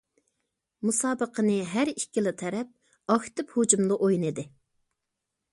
مۇسابىقىنى ھەر ئىككىلا تەرەپ ئاكتىپ ھۇجۇمدا ئوينىدى.